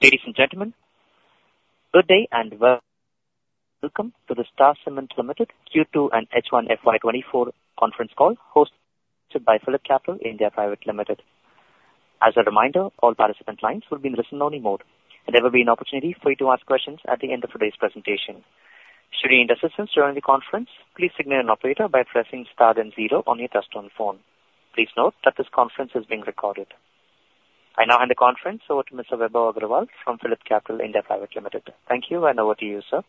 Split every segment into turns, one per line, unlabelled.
Ladies and gentlemen, good day, and welcome to the Star Cement Limited Q2 and H1 FY 2024 Conference Call hosted by PhillipCapital (India) Private Limited. As a reminder, all participant lines will be in listen-only mode, and there will be an opportunity for you to ask questions at the end of today's presentation. Should you need assistance during the conference, please signal an operator by pressing star then zero on your touchtone phone. Please note that this conference is being recorded. I now hand the conference over to Mr. Vaibhav Agarwal, from PhillipCapital (India) Private Limited. Thank you, and over to you, sir.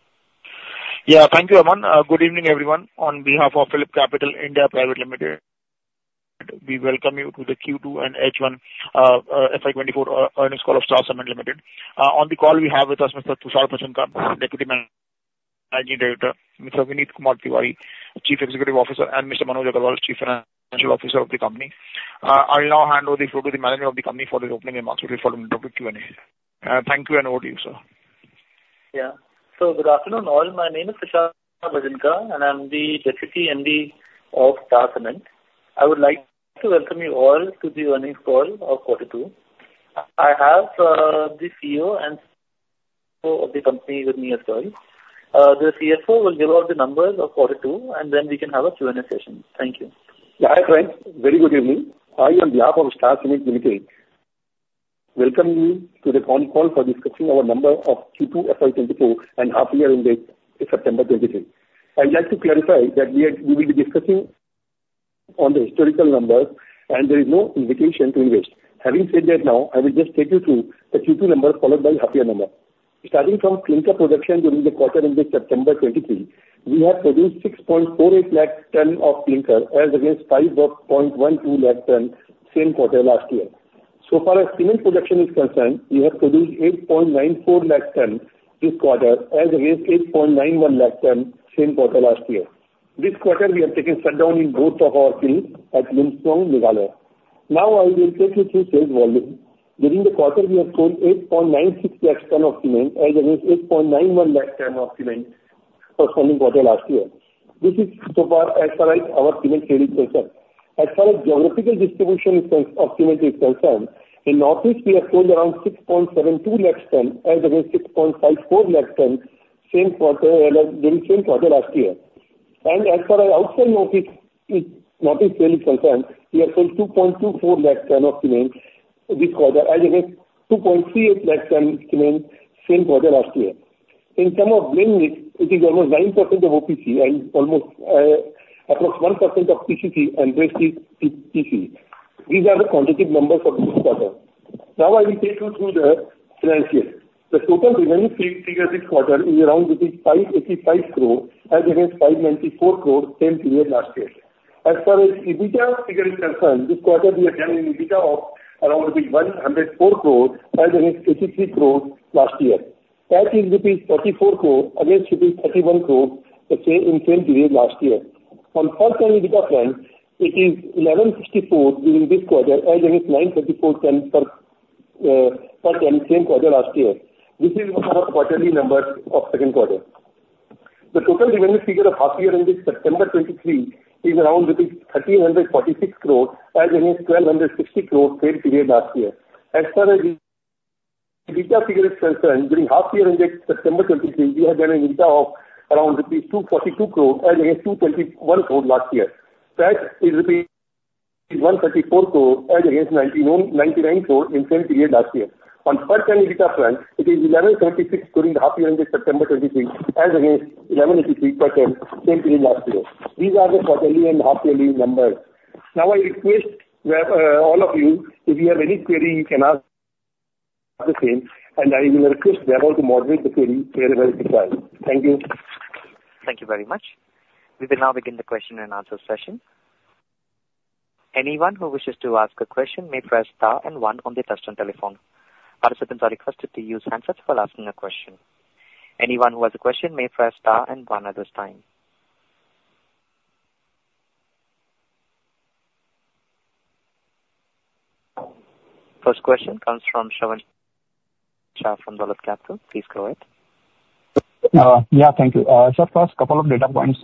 Yeah. Thank you, Aman. Good evening, everyone. On behalf of PhillipCapital (India) Private Limited, we welcome you to the Q2 and H1, FY 2024, Earnings Call of Star Cement Limited. On the call we have with us Mr. Tushar Bhajanka, Deputy Managing Director, Mr. Vinit Kumar Tiwari, Chief Executive Officer, and Mr. Manoj Agarwal, Chief Financial Officer of the company. I'll now hand over the floor to the management of the company for the opening remarks before we go to Q&A. Thank you, and over to you, sir.
Yeah. So good afternoon, all. My name is Tushar Bhajanka, and I'm the Deputy MD of Star Cement. I would like to welcome you all to the Earnings Call of quarter two. I have the CEO and... of the company with me as well. The CFO will give out the numbers of quarter two, and then we can have a Q&A session. Thank you.
Yeah, hi, friends. Very good evening. I, on behalf of Star Cement Limited, welcome you to the phone call for discussing our numbers of Q2 FY 2024 and half year ending September 2023. I'd like to clarify that we are, we will be discussing on the historical numbers, and there is no invitation to invest. Having said that, now, I will just take you through the Q2 numbers, followed by half year numbers. Starting from clinker production during the quarter ending September 2023, we have produced 6.48 lakh tons of clinker as against 5.12 lakh tons same quarter last year. So far as cement production is concerned, we have produced 8.94 lakh tons this quarter, as against 8.91 lakh tons same quarter last year. This quarter we have taken shutdown in both of our units at Lumshnong, Meghalaya. Now, I will take you through sales volume. During the quarter, we have sold 8.96 lakh ton of cement as against 8.91 lakh ton of cement for same quarter last year. This is so far as far as our cement sales concern. As far as geographical distribution in terms of cement is concerned, in Northeast we have sold around 6.72 lakh ton as against 6.54 lakh ton same quarter during same quarter last year. As far as outside Northeast, Northeast sale is concerned, we have sold 2.24 lakh ton of cement this quarter, as against 2.38 lakh ton cement same quarter last year. In term of blending, it is almost 9% of OPC and almost approx 1% of PSC and rest is PPC. These are the quantitative numbers for this quarter. Now, I will take you through the financials. The total revenue figure this quarter is around 585 crore as against 594 crore same period last year. As far as EBITDA figure is concerned, this quarter we have done an EBITDA of around 104 crore as against 83 crore last year. PAT is rupees 34 crore against rupees 31 crore the same period last year. On per ton EBITDA front, it is 1,154 during this quarter, as against 954 per ton same quarter last year. This is our quarterly numbers of second quarter. The total revenue figure of half year ending September 2023 is around rupees 1,346 crore as against 1,260 crore same period last year. As far as EBITDA figure is concerned, during half year ending September 2023, we have done an EBITDA of around rupees 242 crore as against 221 crore last year. PAT is rupees 134 crore as against 91.99 crore in same period last year. On per ton EBITDA front, it is 1,136 during the half year ending September 2023, as against 1,183 per ton same period last year. These are the quarterly and half yearly numbers. Now I request all of you, if you have any query, you can ask the same, and I will request Vaibhav to moderate the query very, very precise. Thank you.
Thank you very much. We will now begin the question and answer session. Anyone who wishes to ask a question may press star and one on their touchtone telephone. Participants are requested to use handsets while asking a question. Anyone who has a question may press star and one at this time. First question comes from Shravan Shah from Dolat Capital. Please go ahead.
Yeah, thank you. First, couple of data points.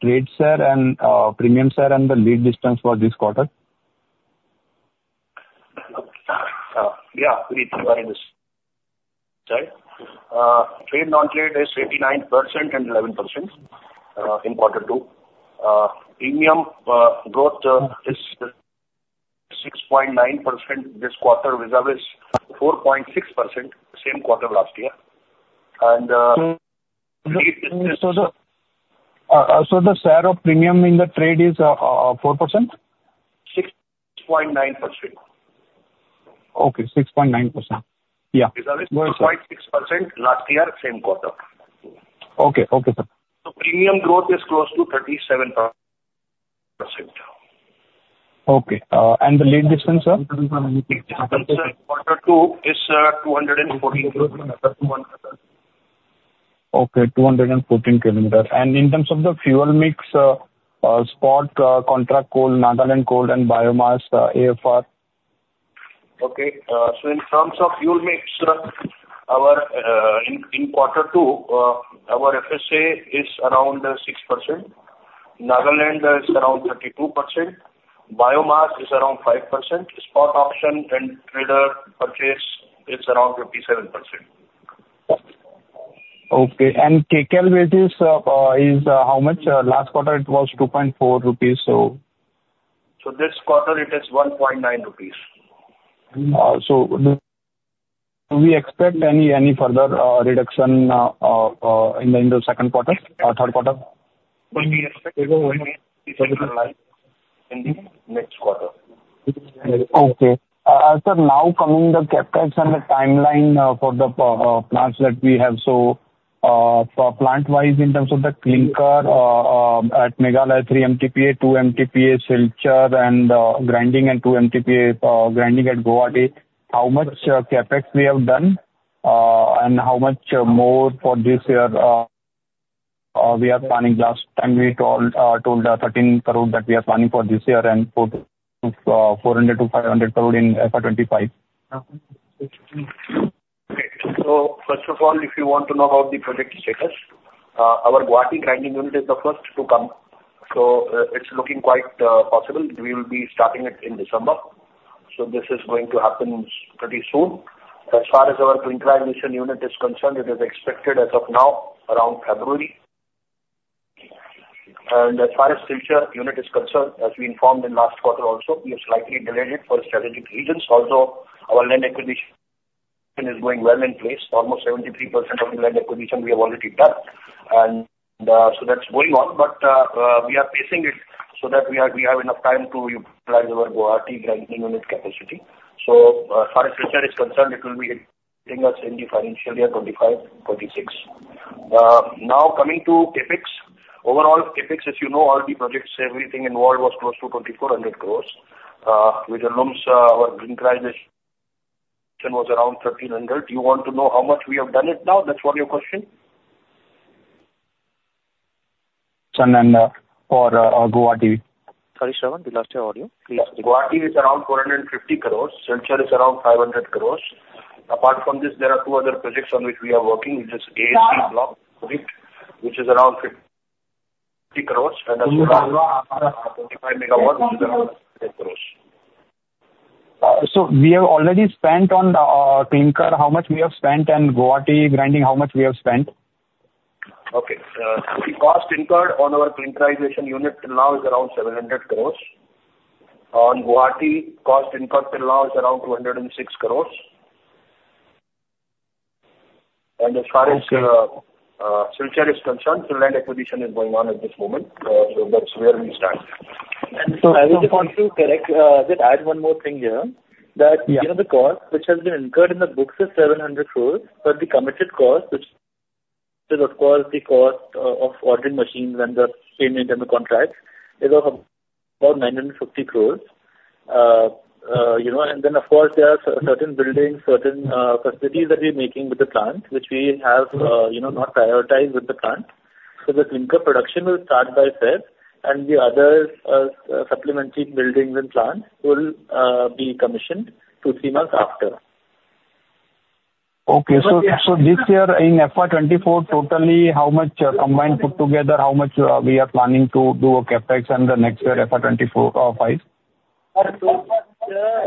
Trade share and premium share, and the lead distance for this quarter?
Yeah, Vinit, you go ahead this.
Sorry. Trade non-trade is 89% and 11% in Quarter Two. Premium growth is 6.9% this quarter, vis-a-vis 4.6% same quarter last year. And, lead distance-
So the share of premium in the trade is 4%?
6.9%.
Okay, 6.9%. Yeah.
Vis-à-vis 4.6% last year, same quarter.
Okay. Okay, sir.
Premium growth is close to 37%.
Okay, and the lead distance, sir?
Distance, Quarter Two is 214 km.
Okay, 214 km. And in terms of the fuel mix, spot, contract coal, Nagaland coal, and biomass, AFR?
Okay. So in terms of fuel mix, in Quarter Two, our FSA is around 6%. Nagaland is around 32%, biomass is around 5%, spot option and trader purchase is around 57%.
Okay, and kcal basis, is how much? Last quarter it was INR 2.4, so.
This quarter it is 1.9.
So do we expect any further in the second quarter or third quarter?
We expect it in the next quarter.
Okay. Sir, now coming the CapEx and the timeline for the plants that we have. So, plant-wise, in terms of the clinker at Meghalaya, 3 MTPA, 2 MTPA Silchar, and grinding and 2 MTPA grinding at Guwahati. How much CapEx we have done, and how much more for this year we are planning? Last time we told 13 crore that we are planning for this year, and 400 crore to 500 crore in FY 2025.
Okay. So first of all, if you want to know about the project status, our Guwahati grinding unit is the first to come, so it's looking quite possible. We will be starting it in December. So this is going to happen pretty soon. As far as our clinkerization unit is concerned, it is expected as of now around February. And as far as Silchar unit is concerned, as we informed in last quarter also, we have slightly delayed it for strategic reasons. Also, our land acquisition is going well in place. Almost 73% of the land acquisition we have already done, and so that's going on. But we are pacing it so that we have, we have enough time to utilize our Guwahati grinding unit capacity. So, as far as research is concerned, it will be hitting us in the financial year 2025-2026. Now, coming to CapEx. Overall, CapEx, as you know, all the projects, everything involved was close to 2,400 crores. With the Lumshnong, our clinkerization was around 1,300. You want to know how much we have done it now, that's what your question?...
And for Guwahati.
Sorry, Shravan, we lost your audio. Please-
Guwahati is around 450 crores. Silchar is around 500 crores. Apart from this, there are two other projects on which we are working, which is AAC block, which is around 50 crores. And, 25 MW, which is around 10 crores.
So we have already spent on clinker. How much we have spent, and Guwahati grinding, how much we have spent?
Okay. The cost incurred on our clinkerization unit till now is around INR 700 crores. On Guwahati, cost incurred till now is around INR 206 crores. And as far as-
Okay.
Silchar is concerned, the land acquisition is going on at this moment. So that's where we stand.
I would just want to correct, just add one more thing here.
Yeah.
That, you know, the cost, which has been incurred in the books is 700 crore, but the committed cost, which is, of course, the cost of ordering machines and the payment in the contracts, is of about 950 crore. You know, and then, of course, there are certain buildings, certain facilities that we're making with the plant, which we have, you know, not prioritized with the plant. So the clinker production will start by itself, and the other supplementary buildings and plants will be commissioned 2-3 months after.
Okay.
Yeah.
So this year, in FY2024, totally, how much combined put together, how much, we are planning to do a CapEx and the next year, FY2025?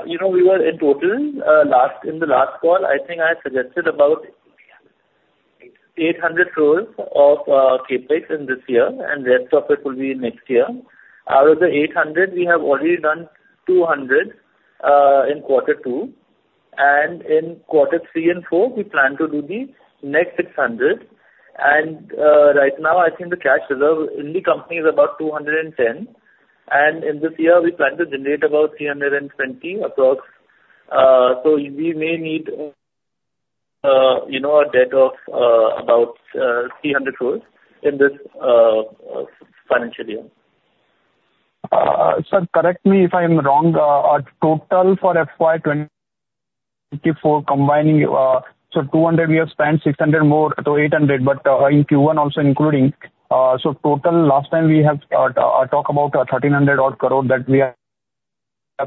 You know, we were in total, last, in the last call, I think I suggested about 800 crore of CapEx in this year, and the rest of it will be next year. Out of the 800 crore, we have already done 200 crore in quarter two, and in quarter three and four, we plan to do the next 600 crore. And, right now, I think the cash reserve in the company is about 210 crore, and in this year, we plan to generate about 320 crore approx. So we may need, you know, a debt of about 300 crore in this financial year.
Sir, correct me if I'm wrong, our total for FY 2024, combining, so 200 crore we have spent, 600 crore more, so 800 crore, but, in Q1 also including. So total last time we have talk about, thirteen hundred odd crore that we are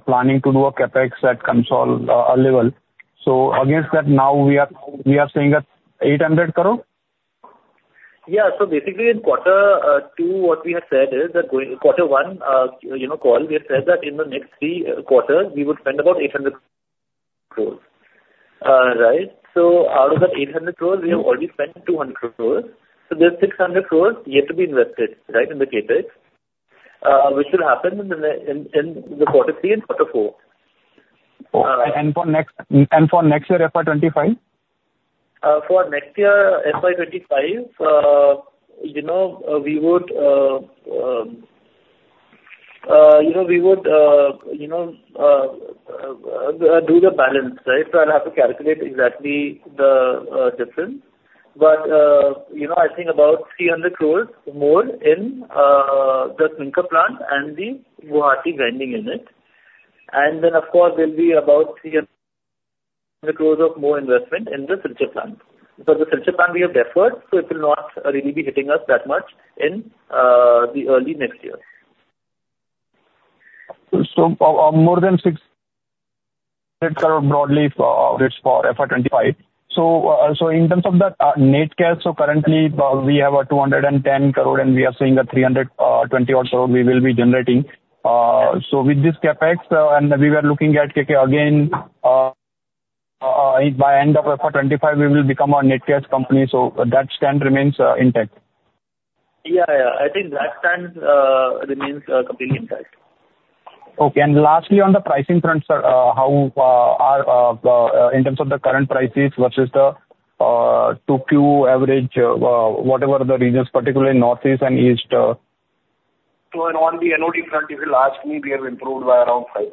planning to do a CapEx at consolidated level. So against that, now we are saying that 800 crore?
Yeah. So basically, in quarter two, what we had said is that going... Quarter one, you know, call, we had said that in the next three quarters, we would spend about 800 crore. Right. So out of that 800 crore, we have already spent 200 crore. So there's 600 crore yet to be invested, right, in the CapEx, which will happen in the quarter three and quarter four.
And for next year, FY25?
For next year, FY25, you know, we would, you know, do the balance, right? So I'll have to calculate exactly the difference. But, you know, I think about 300 crore more in the clinker plant and the Guwahati grinding unit. And then, of course, there'll be about INR 300 crore of more investment in the Silchar plant. Because the Silchar plant we have deferred, so it will not really be hitting us that much in the early next year....
So, more than 66 crore broadly for, it's for FY 2025. So, in terms of the net cash, currently, we have 210 crore, and we are seeing a 320-odd crore we will be generating. So with this CapEx, and we were looking at, okay, again, by end of FY 2025, we will become a net cash company, so that stand remains intact.
Yeah, yeah. I think that stand remains completely intact.
Okay. Lastly, on the pricing front, sir, how are in terms of the current prices versus the Q2 average, whatever the regions, particularly Northeast and East?
So on the NOD front, if you'll ask me, we have improved by around 5%.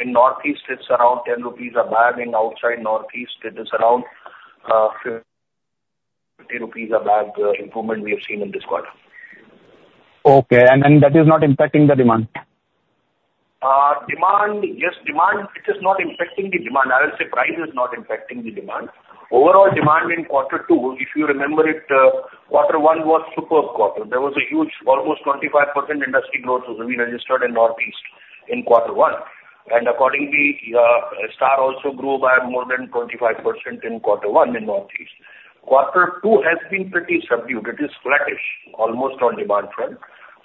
In Northeast, it's around 10 rupees a bag, and outside Northeast, it is around 50 rupees a bag, improvement we have seen in this quarter.
Okay, and, and that is not impacting the demand?
Demand, yes, demand, it is not impacting the demand. I will say price is not impacting the demand. Overall demand in quarter two, if you remember it, quarter one was superb quarter. There was a huge, almost 25% industry growth we registered in Northeast in quarter one. And accordingly, Star also grew by more than 25% in quarter one in Northeast. Quarter two has been pretty subdued. It is flattish, almost on demand front.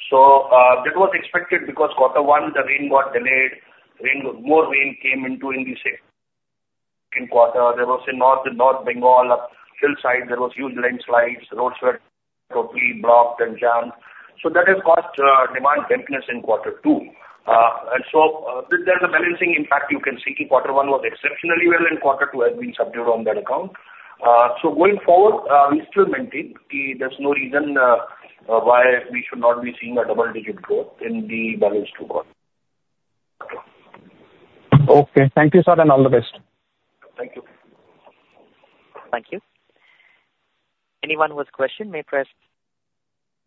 So, that was expected because quarter one, the rain got delayed. Rain, more rain came into in the second quarter. There was in North, in North Bengal, hillside, there was huge landslides, roads were totally blocked and jammed. So that has caused, demand dampness in quarter two. And so, there's a balancing impact you can see. Quarter one was exceptionally well, and quarter two has been subdued on that account. So going forward, we still maintain, there's no reason why we should not be seeing a double-digit growth in the balance two quarters.
Okay, thank you, sir, and all the best.
Thank you.
Thank you. Anyone with question may press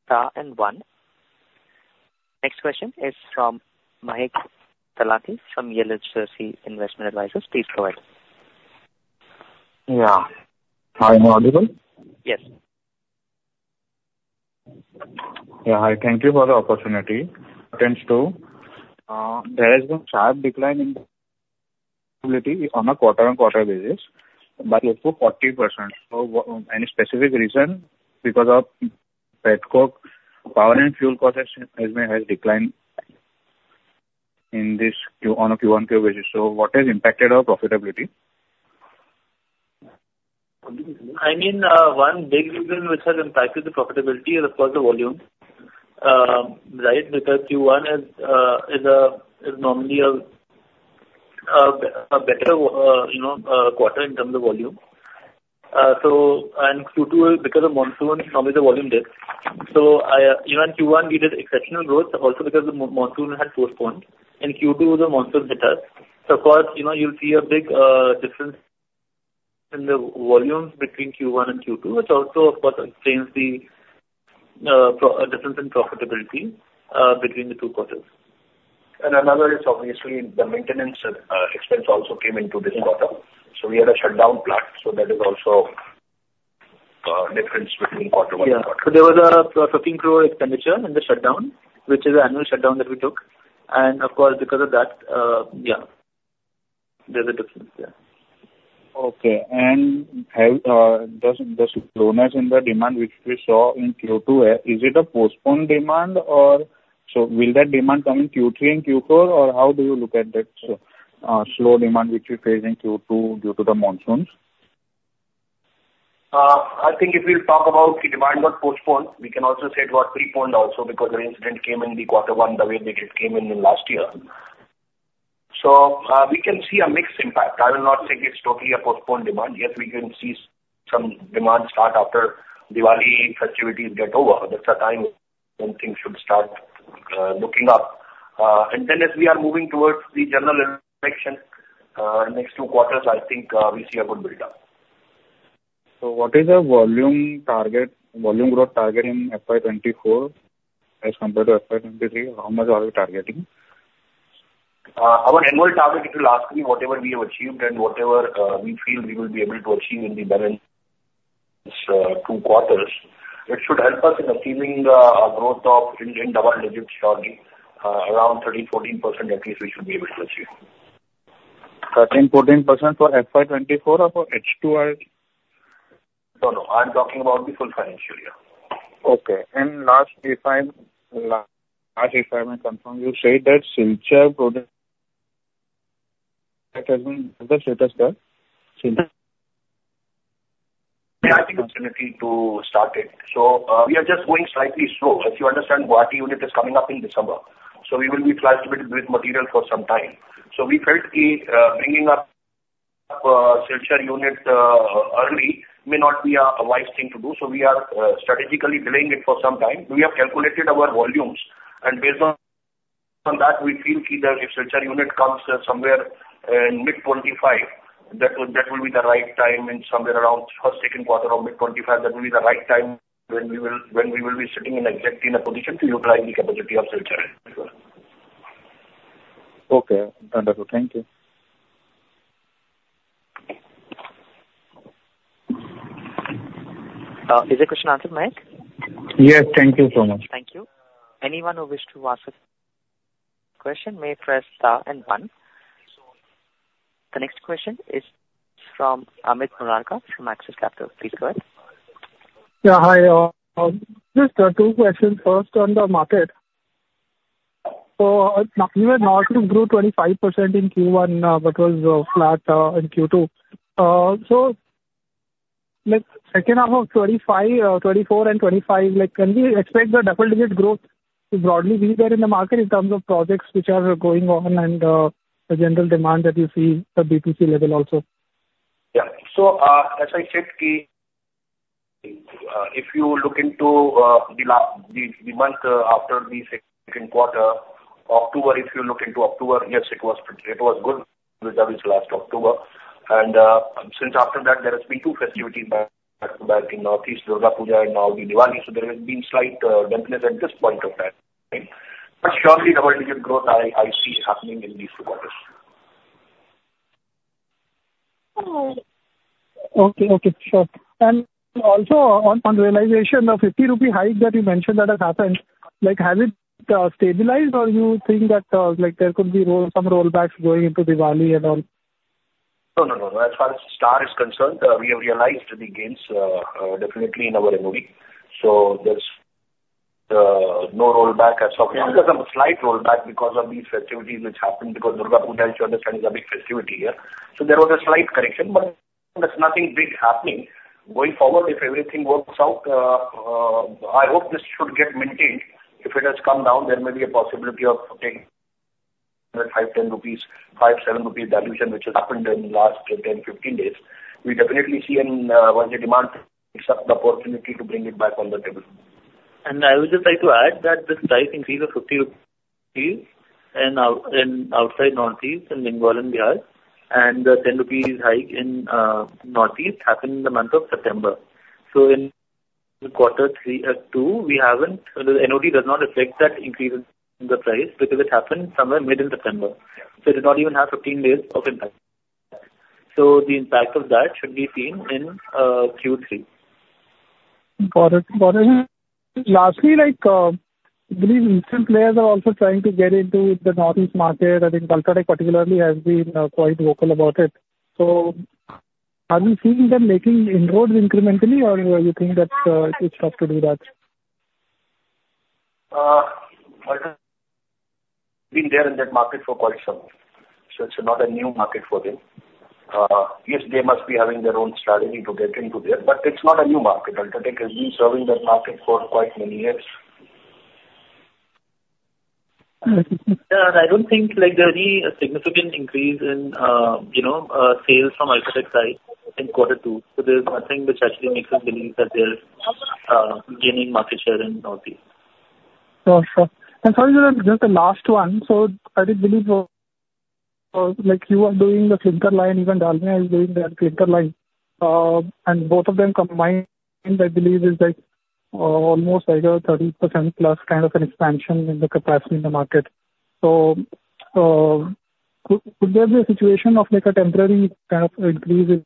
star and one. Next question is from Mahek Talati, from Yellow Jersey Investment Advisors. Please go ahead.
Yeah. Hi, am I audible?
Yes.
Yeah, hi. Thank you for the opportunity. Sir, as to, there has been a sharp decline in profitability on a quarter-on-quarter basis, by up to 40%. So any specific reason because petcoke power and fuel costs has, has declined in this Q, on a QoQ basis. So what has impacted our profitability?
I mean, one big reason which has impacted the profitability is, of course, the volume. Right, because Q1 is normally a better, you know, quarter in terms of volume. So, and Q2 is because of monsoon, normally the volume dips. So I, even Q1, we did exceptional growth, also because the monsoon had postponed, and Q2, the monsoons hit us. So of course, you know, you'll see a big difference in the volumes between Q1 and Q2, which also, of course, explains the difference in profitability between the two quarters.
Another is obviously the maintenance expense also came into this quarter. We had a shutdown plant, so that is also the difference between quarter one and quarter two.
Yeah. So there was a 15 crore expenditure in the shutdown, which is annual shutdown that we took. And of course, because of that, yeah, there's a difference, yeah.
Okay. Does the slowness in the demand, which we saw in Q2, is it a postponed demand? Or... So will that demand come in Q3 and Q4, or how do you look at that, so slow demand, which we face in Q2 due to the monsoons?
I think if we talk about the demand got postponed, we can also say it got preponed also, because the incident came in the quarter one, the way it came in, in last year. So, we can see a mixed impact. I will not say it's totally a postponed demand. Yes, we can see some demand start after Diwali festivities get over. That's the time when things should start looking up. And then as we are moving towards the general election, next two quarters, I think, we'll see a good build-up.
What is the volume target, volume growth target in FY24 as compared to FY23? How much are you targeting?
Our annual target, if you'll ask me, whatever we have achieved and whatever, we feel we will be able to achieve in the balance, two quarters, it should help us in achieving, a growth of in double digits annually, around 13% to 14% at least we should be able to achieve.
13% to 14% for FY2024 or for H2?
No, no, I'm talking about the full financial year.
Okay. And last, if I may confirm, you say that Silchar project... That has been, is the status there? Silchar.
Yeah, I think to start it. So, we are just going slightly slow. If you understand, Guwahati unit is coming up in December, so we will be flexibility with material for some time. So we felt bringing up Silchar unit early may not be a wise thing to do. So we are strategically delaying it for some time. We have calculated our volumes, and based on that, we feel that if Silchar unit comes somewhere in mid-2025, that will, that will be the right time, and somewhere around first, second quarter of mid-2025, that will be the right time when we will, when we will be sitting in exactly in a position to utilize the capacity of Silchar.
Okay, wonderful. Thank you....
is the question answered, Mahek?
Yes. Thank you so much.
Thank you. Anyone who wish to ask a question may press star and one. The next question is from Amit Murarka from Axis Capital. Please go ahead.
Yeah, hi. Just two questions. First, on the market. So, you had grown 25% in Q1, but was flat in Q2. So like second half of 2025, 2024 and 2025, like, can we expect the double-digit growth to broadly be there in the market in terms of projects which are going on and, the general demand that you see at the B2C level also?
Yeah. So, as I said, key, if you look into the last, the month after the second quarter, October, if you look into October, yes, it was good, that is last October. And, since after that, there has been two festivity back in Northeast, Durga Puja and now the Diwali, so there has been slight dampness at this point of time, okay? But surely, double-digit growth, I see happening in these two quarters.
Okay, okay, sure. And also on realization, the 50 rupee hike that you mentioned that has happened, like, has it stabilized, or you think that, like, there could be some rollbacks going into Diwali at all?
No, no, no, no. As far as Star is concerned, we have realized the gains, definitely in our MOP, so there's no rollback as of now. There's a slight rollback because of these festivities which happened because Durga Puja, you understand, is a big festivity here. So there was a slight correction, but there's nothing big happening. Going forward, if everything works out, I hope this should get maintained. If it has come down, there may be a possibility of taking INR 5 to 10 rupees, 5 to 7 rupees dilution, which has happened in last 10, 15 days. We definitely see an, once the demand picks up, the opportunity to bring it back on the table.
I would just like to add that this price increase of 50 rupees in outside Northeast in Bengal and Bihar, and the 10 rupees hike in Northeast happened in the month of September. So in quarter 3, 2, we haven't... So the NOD does not reflect that increase in the price because it happened somewhere mid in September.
Yeah.
So it does not even have 15 days of impact. So the impact of that should be seen in Q3.
Got it. Got it. Lastly, like, I believe recent players are also trying to get into the Northeast market. I think UltraTech particularly has been quite vocal about it. So are you seeing them making inroads incrementally, or you think that it's tough to do that?
UltraTech been there in that market for quite some time, so it's not a new market for them. Yes, they must be having their own strategy to get into there, but it's not a new market. UltraTech has been serving that market for quite many years.
Yeah, and I don't think like there any significant increase in, you know, sales from UltraTech side in quarter two. So there's nothing which actually makes us believe that they're gaining market share in Northeast.
Oh, sure. And sorry, just the last one. So I did believe, like you are doing the clinker line, even Dalmia is doing their clinker line. And both of them combined, I believe, is like, almost like a 30%+ kind of an expansion in the capacity in the market. So, could there be a situation of like a temporary kind of increase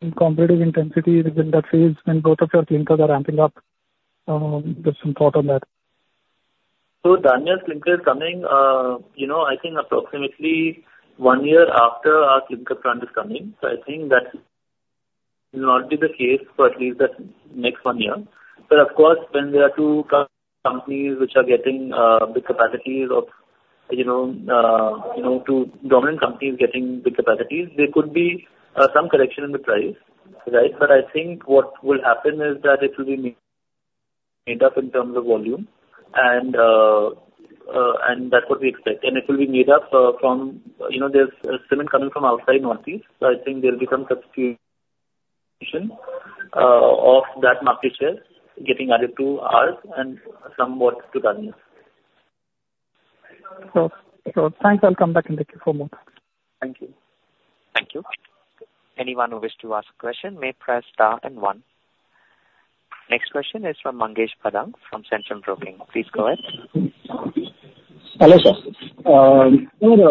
in competitive intensity within that phase when both of your clinkers are ramping up? Just some thought on that.
So Dalmia's clinker is coming, you know, I think approximately one year after our clinker plant is coming. So I think that will not be the case for at least the next one year. But of course, when there are two co-companies which are getting, big capacities of, you know, two dominant companies getting big capacities, there could be, some correction in the price, right? But I think what will happen is that it will be made up in terms of volume, and, and that's what we expect. And it will be made up, from, you know, there's, cement coming from outside Northeast, so I think there'll be some substitution, of that market share getting added to ours and some more to Dalmia.
So, thanks. I'll come back and thank you for more.
Thank you.
Thank you. Anyone who wish to ask a question may press star and one. Next question is from Mangesh Bhadang from Centrum Broking. Please go ahead.
Hello, sir. So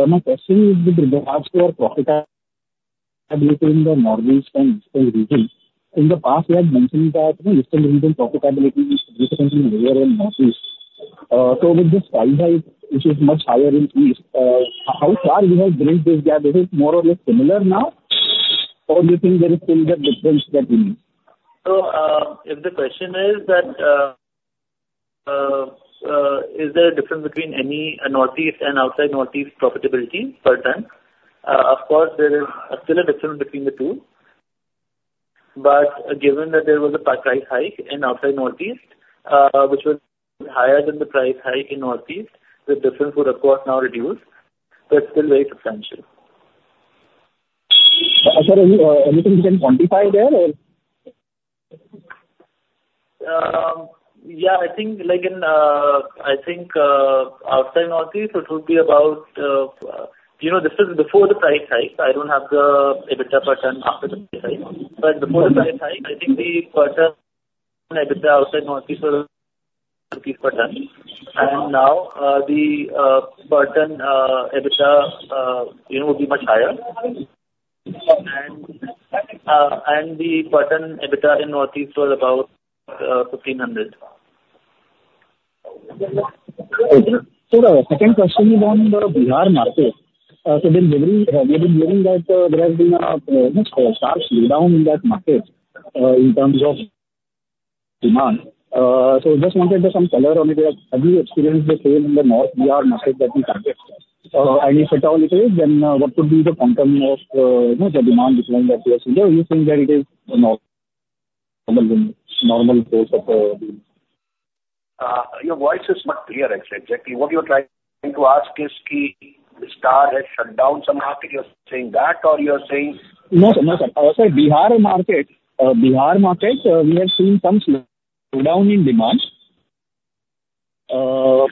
my question is with regards to your profitability in the Northeast and Eastern region. In the past, you have mentioned that the Eastern region profitability is substantially lower than Northeast. So with this price hike, which is much higher in East, how far you have bridged this gap? Is it more or less similar now, or do you think there is still that difference that remains?
So, if the question is that, is there a difference between any Northeast and outside Northeast profitability per ton? Of course, there is still a difference between the two. But given that there was a price hike in outside Northeast, which was higher than the price hike in Northeast, the difference would of course now reduce, but still very substantial.
Sir, anything you can quantify there, or?
Yeah, I think like in, I think, outside Northeast, so it would be about, you know, this is before the price hike. I don't have the EBITDA per ton after the price hike. But before the price hike, I think the EBITDA outside Northeast was-
...And now, the burden EBITDA, you know, will be much higher. And, and the burden EBITDA in Northeast was about 1,500.
Sir, the second question is on the Bihar market. So we've been reading, we've been reading that there has been a, you know, sharp slowdown in that market, in terms of demand. So just wanted some color on it. Have you experienced the same in the North Bihar market that you target? And if at all it is, then, what could be the quantum of, you know, the demand decline that you are seeing there? Or you think that it is, you know, normal, normal course of, the-
Your voice is not clear exactly. What you're trying to ask is, Star has shut down some market, you're saying that or you're saying?
No, no, sir. So Bihar market, Bihar market, we have seen some slowdown in demand. So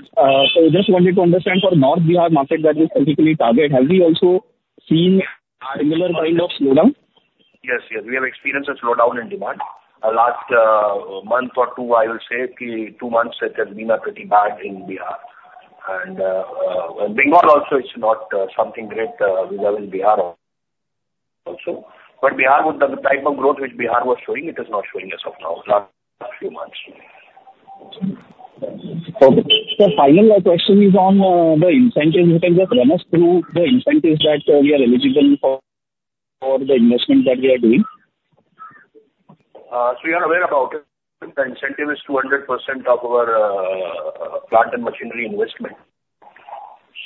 just wanted to understand for North Bihar market that we specifically target, have we also seen a similar kind of slowdown?
Yes, yes, we have experienced a slowdown in demand. Last month or two, I will say, two months, it has been pretty bad in Bihar. Bengal also, it's not something great we have in Bihar also. But Bihar, with the type of growth which Bihar was showing, it is not showing as of now, last few months.
Okay. Sir, final question is on the incentive. You can just run us through the incentives that we are eligible for, for the investment that we are doing.
So you are aware about it. The incentive is 200% of our plant and machinery investment.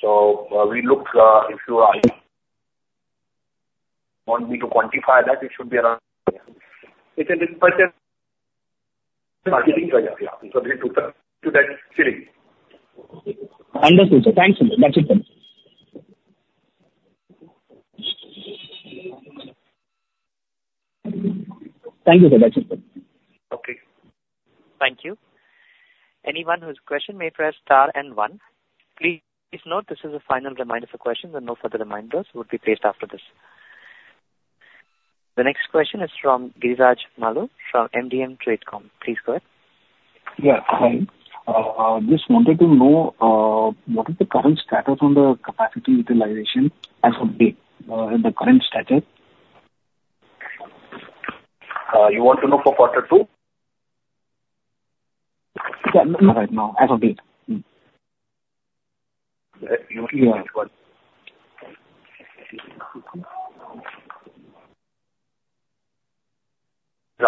So we looked, if you want me to quantify that, it should be around... It's a little percent marketing, so to that ceiling.
Understood, sir. Thank you, sir. That's it, then. Thank you, sir. That's it, sir.
Okay.
Thank you. Anyone who has question may press star and one. Please note, this is the final reminder for questions, and no further reminders will be placed after this. The next question is from Giriraj Maloo, from MDM Tradecom. Please go ahead.
Yeah. Hi. Just wanted to know, what is the current status on the capacity utilization as of date, the current status?
You want to know for quarter two?
Yeah, right now, as of date.
You are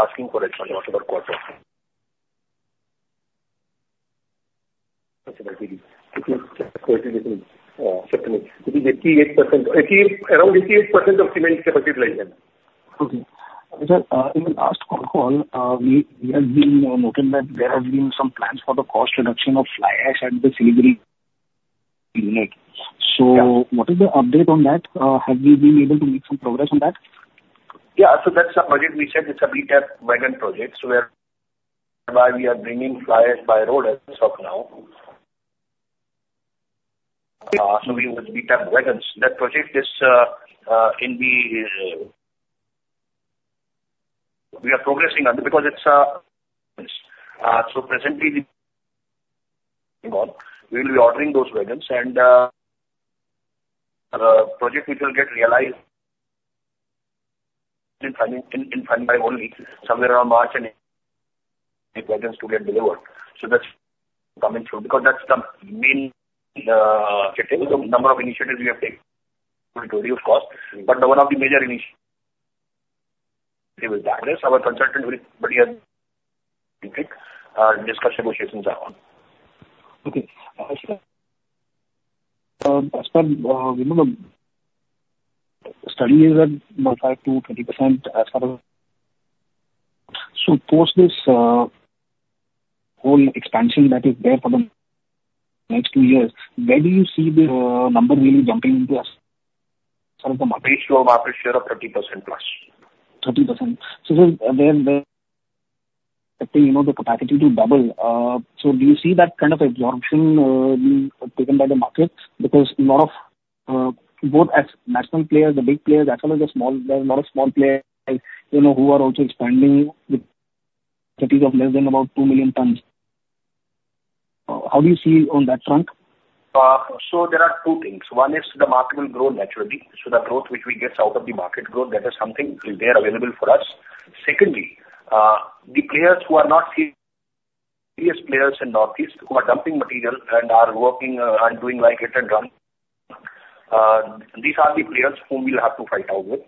asking for the quarter. September, it is 88%, 88, around 88% of cement capacity utilized.
Okay. Sir, in the last call, we have been noting that there have been some plans for the cost reduction of fly ash at the Siliguri unit.
Yeah.
So what is the update on that? Have we been able to make some progress on that?
Yeah. So that's the project we said it's a BTAP wagon project. So where we are bringing fly ash by road as of now. So we will BTAP wagons. That project is in the... We are progressing on, because it's so presently, we will be ordering those wagons, and project which will get realized in, in, finally only somewhere around March and the wagons to get delivered. So that's coming through, because that's the main number of initiatives we have taken to reduce cost. But one of the major initiatives is that. Our consultant, very pretty, discuss negotiations are on.
Okay. As per, you know, the study is at 5% to 20% as well. So of course, this whole expansion that is there for the next two years, where do you see the number really jumping into us? Some of the market.
We still have market share of 30%+.
30%. So then, you know, the capacity to double. So do you see that kind of absorption being taken by the market? Because a lot of both national players, the big players, as well as the small, there are a lot of small players, you know, who are also expanding with capacities of less than about 2 million tons. How do you see on that front?
So there are two things. One is the market will grow naturally. So the growth which we get out of the market growth, that is something there available for us. Secondly, the players who are not serious players in Northeast, who are dumping material and are working, and doing like hit and run, these are the players whom we'll have to fight out with.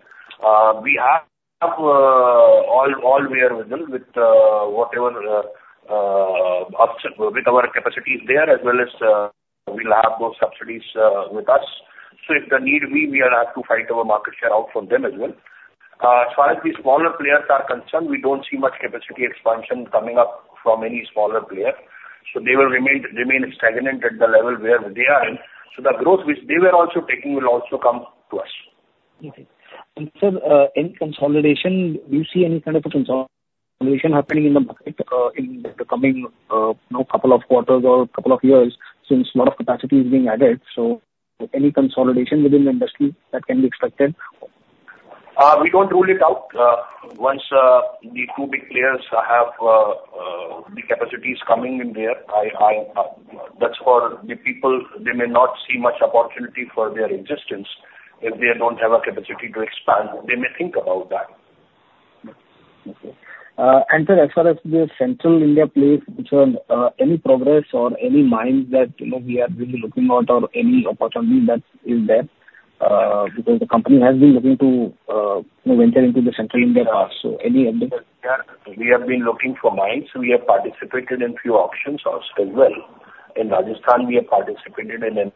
We have all well within with whatever with our capacity is there, as well as we'll have those subsidies with us. So if the need be, we will have to fight our market share out from them as well. As far as the smaller players are concerned, we don't see much capacity expansion coming up from any smaller player, so they will remain stagnant at the level where they are in. So the growth which they were also taking will also come to us.
Okay. Sir, any consolidation, do you see any kind of a consolidation happening in the market, in the coming, you know, couple of quarters or couple of years, since a lot of capacity is being added, so any consolidation within the industry that can be expected or?...
We don't rule it out. Once the two big players have the capacities coming in there, that's for the people, they may not see much opportunity for their existence if they don't have a capacity to expand. They may think about that.
Okay. And sir, as far as the Central India place concerned, any progress or any mines that, you know, we are really looking at or any opportunity that is there, because the company has been looking to venture into the Central India also. Any update there?
We have been looking for mines. We have participated in few auctions also as well. In Rajasthan, we have participated, in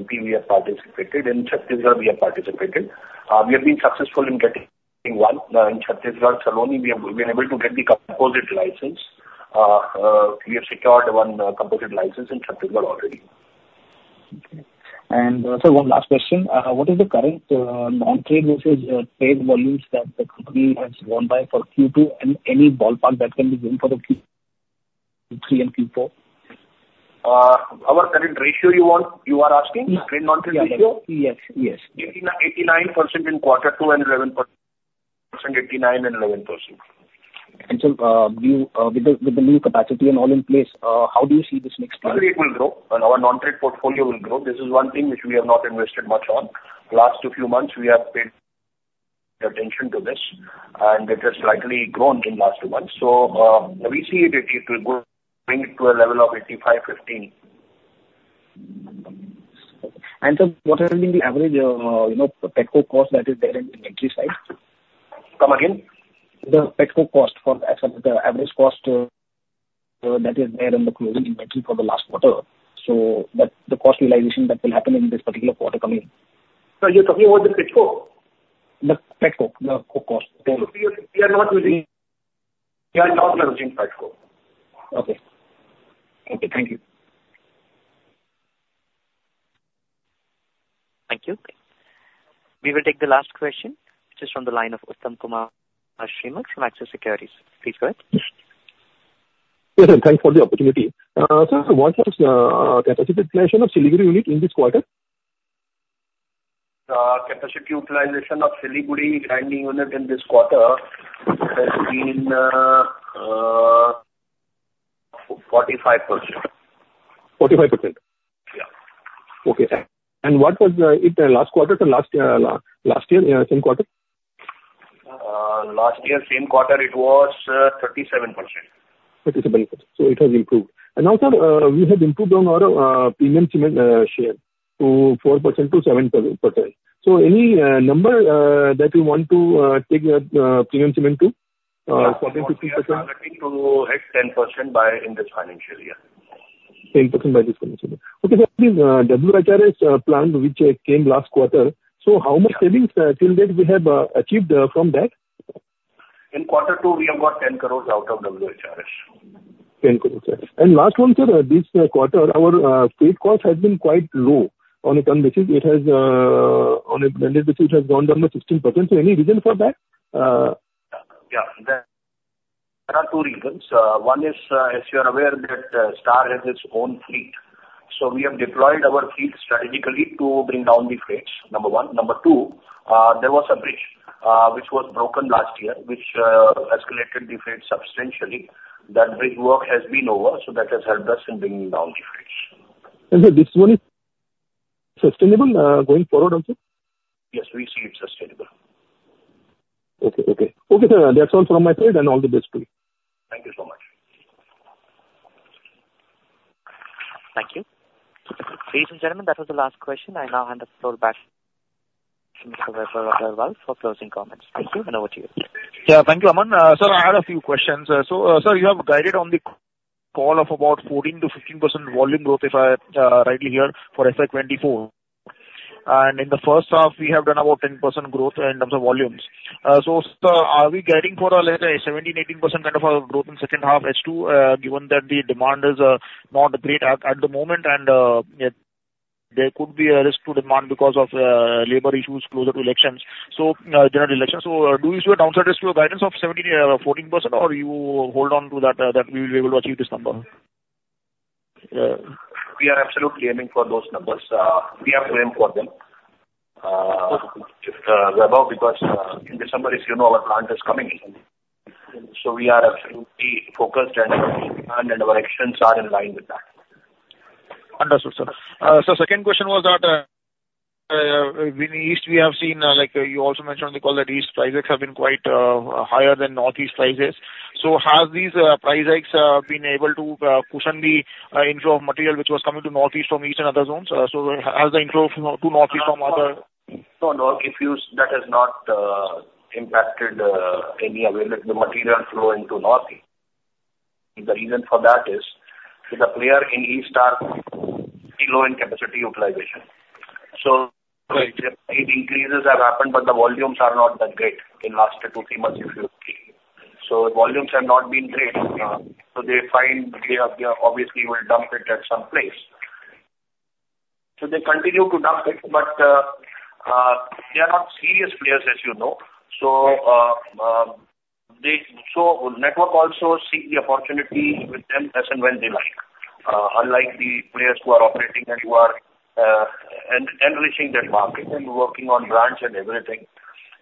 MP we have participated, in Chhattisgarh we have participated. We have been successful in getting one. In Chhattisgarh alone, we have been able to get the composite license. We have secured one, composite license in Chhattisgarh already.
Okay. And, sir, one last question. What is the current non-trade versus trade volumes that the company has won by for Q2, and any ballpark that can be given for the Q3 and Q4?
Our current ratio you want, you are asking?
Yes.
Trade non-trade ratio?
Yes, yes.
89% in quarter two and 11%, 89% and 11%.
So, with the new capacity and all in place, how do you see this mix?
It will grow, and our non-trade portfolio will grow. This is one thing which we have not invested much on. Last few months, we have paid attention to this, and it has slightly grown in last month. So, we see it will go bring it to a level of 85-15.
Sir, what has been the average, you know, petcoke cost that is there in the inventory side?
Come again?
The petcoke cost for the, the average cost, that is there in the closing inventory for the last quarter, so that the cost realization that will happen in this particular quarter coming in.
Sir, you're talking about the petcoke?
The petcoke, the cost.
We are not using, we are not using petcoke.
Okay. Okay, thank you.
Thank you. We will take the last question, which is from the line of Uttam Kumar Srimal from Axis Securities. Please go ahead.
Yes, sir. Thanks for the opportunity. Sir, what was capacity utilization of Siliguri unit in this quarter?
Capacity utilization of Siliguri grinding unit in this quarter has been 45%.
45%?
Yeah.
Okay, thanks. And what was it last quarter to last year, same quarter?
Last year, same quarter, it was 37%.
37%. So it has improved. And also, you had improved on our premium cement share to 4% to 7%. So any number that you want to take premium cement to? 7% to 14%.
To hit 10% by in this financial year.
10% by this financial year. Okay, sir, WHRS plant which came last quarter, so how much savings till date we have achieved from that?
In quarter two, we have got 10 crore out of WHRS.
10 crore. And last one, sir, this quarter, our freight cost has been quite low. On a ton basis, it has on a blended basis, it has gone down by 16%. So any reason for that?
Yeah. There are two reasons. One is, as you are aware, that Star has its own fleet. So we have deployed our fleet strategically to bring down the freights, number one. Number two, there was a bridge, which was broken last year, which escalated the freight substantially. That bridge work has been over, so that has helped us in bringing down the freights.
Sir, this one is sustainable, going forward also?
Yes, we see it sustainable.
Okay, okay. Okay, sir, that's all from my side, and all the best to you.
Thank you so much.
Thank you. Ladies and gentlemen, that was the last question. I now hand the floor back to Mr. Vaibhav Agarwal for closing comments. Thank you, and over to you.
Yeah, thank you, Aman. Sir, I had a few questions. So, sir, you have guided on the call of about 14% to 15% volume growth, if I rightly hear, for FY2024. In the first half, we have done about 10% growth in terms of volumes. So, sir, are we guiding for a, like, a 17% to 18% kind of a growth in second half, H2, given that the demand is not great at the moment, and there could be a risk to demand because of labor issues closer to elections. So, general elections, so, do you see a downside risk to your guidance of 17% or 14%, or you hold on to that, that we will be able to achieve this number?
We are absolutely aiming for those numbers. We have to aim for them.
Okay.
Vaibhav, because in December, as you know, our plant is coming in. So we are absolutely focused on meeting demand, and our actions are in line with that.
Understood, sir. So second question was that, in the east we have seen, like you also mentioned on the call, that East price hikes have been quite higher than Northeast prices. So have these price hikes been able to cushion the inflow of material which was coming to Northeast from East and other zones? So has the inflow to Northeast from other-
No, no. If you... That has not impacted any way that the material flow into Northeast. The reason for that is, the player in East are low in capacity utilization. So the increases have happened, but the volumes are not that great in last 2, 3 months if you see. So volumes have not been great. So they find they obviously will dump it at some place. So they continue to dump it, but they are not serious players, as you know. So, They, so network also see the opportunity with them as and when they like. Unlike the players who are operating and who are enriching that market and working on brands and everything.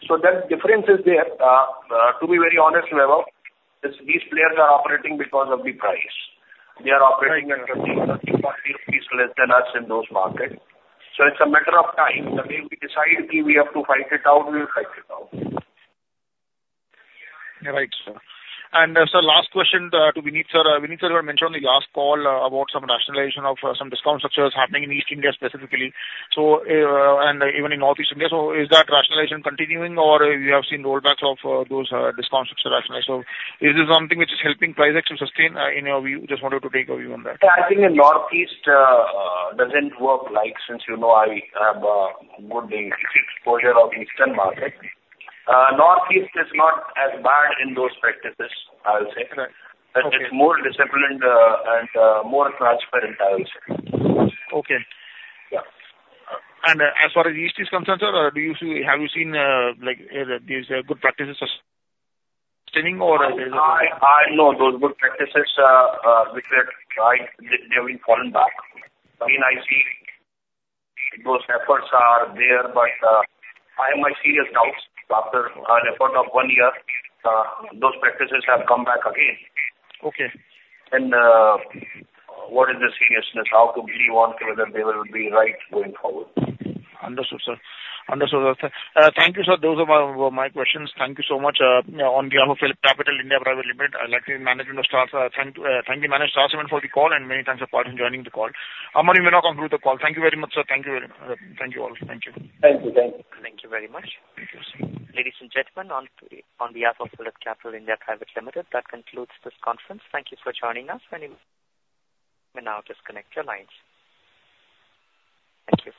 So that difference is there. To be very honest, Vivek, is these players are operating because of the price. They are operating at INR 50, 30, 40 rupees less than us in those markets. So it's a matter of time. The day we decide we have to fight it out, we will fight it out.
Right, sir. And, sir, last question, to Vinit sir. Vinit sir, you had mentioned on the last call about some rationalization of some discount structures happening in East India, specifically. So, and even in Northeast India, so is that rationalization continuing or you have seen rollbacks of, those, discount structures rationalize? So is this something which is helping price action sustain, in your view? Just wanted to take a view on that.
Yeah, I think in Northeast, doesn't work like since, you know, I have a good exposure of eastern market. Northeast is not as bad in those practices, I will say.
Correct.
But it's more disciplined, and, more transparent, I will say.
Okay.
Yeah.
As far as East is concerned, sir, do you see, have you seen, like, these good practices sustaining or-
No, those good practices, which were tried, they have been fallen back. I mean, I see those efforts are there, but, I have my serious doubts after an effort of one year, those practices have come back again.
Okay.
What is the seriousness, how to believe on whether they will be right going forward?
Understood, sir. Understood. Thank you, sir. Those were my, my questions. Thank you so much. On behalf of PhillipCapital (India) Private Limited, I'd like to thank the management staff for the call, and many thanks for joining the call. Aman will now conclude the call. Thank you very much, sir. Thank you very much. Thank you all. Thank you.
Thank you. Thank you.
Thank you very much. Ladies and gentlemen, on behalf of PhillipCapital (India) Private Limited, that concludes this conference. Thank you for joining us, and you may now disconnect your lines. Thank you.